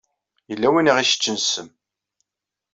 Yella win i ɣ-iseččen ssem.